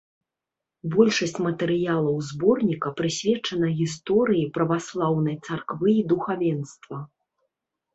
Большасць матэрыялаў зборніка прысвечана гісторыі праваслаўнай царквы і духавенства.